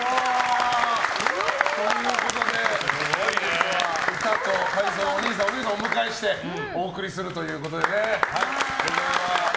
ということで本日は歌と体操のおにいさん、おねえさんをお迎えしてお送りするということでね。